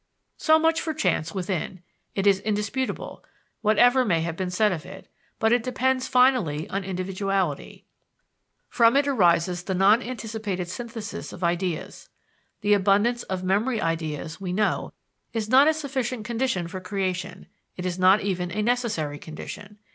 So much for chance within: it is indisputable, whatever may have been said of it, but it depends finally on individuality from it arises the non anticipated synthesis of ideas. The abundance of memory ideas, we know, is not a sufficient condition for creation; it is not even a necessary condition.